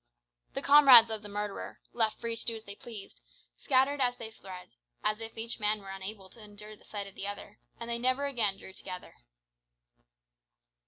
The comrades of the murderer, left free to do as they pleased, scattered as they fled, as if each man were unable to endure the sight of the other, and they never again drew together.